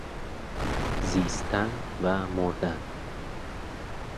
زیستن و مردن